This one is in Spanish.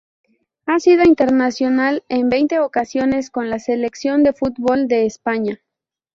Ha sido internacional en veinte ocasiones con la Selección de fútbol de España.